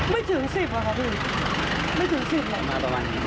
ไม่ถึงสิบเหรอครับพี่ไม่ถึงสิบเหรอ